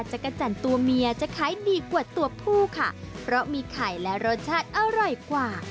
จักรจันทร์ตัวเมียจะขายดีกว่าตัวผู้ค่ะเพราะมีไข่และรสชาติอร่อยกว่า